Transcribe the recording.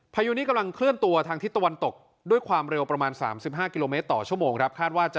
พายุนี้กำลังเคลื่อนตัวทางทิศตะวันตกด้วยความเร็วประมาณ๓๕กิโลเมตรต่อชั่วโมงครับคาดว่าจะ